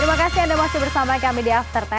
terima kasih anda masih bersama kami di after sepuluh